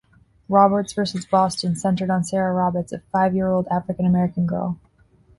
"Roberts versus Boston" centered on Sarah Roberts, a five-year-old African-American girl.